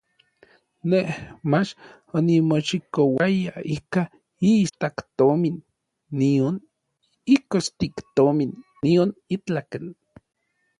Nej mach onimoxikouaya ikaj iistaktomin nion ikostiktomin, nion itlaken.